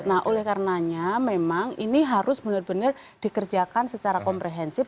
nah oleh karenanya memang ini harus benar benar dikerjakan secara komprehensif